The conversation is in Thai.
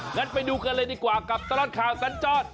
งั้นไปดูกันเลยดีกว่ากับตลอดข่าวสัญจร